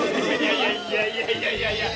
いやいやいやいやいや。